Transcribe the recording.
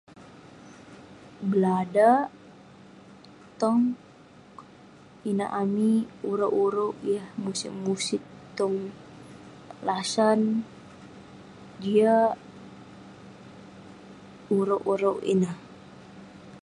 Beladak, tong inak amik, ureuk-ureuk yah musit-musit tong lasan. Jiak ureuk-ureuk ineh.